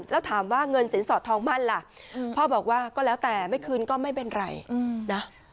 แล้วถามว่าเงินสินสอดทองมั่นล่ะพ่อบอกว่าก็แล้วแต่ไม่คืนก็ไม่เป็นไรนะ